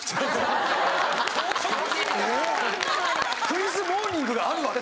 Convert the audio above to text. クイズモーニングがあるわけ？